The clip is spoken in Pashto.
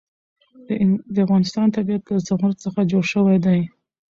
د افغانستان طبیعت له زمرد څخه جوړ شوی دی.